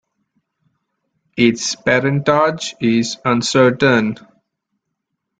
Its parentage is uncertain.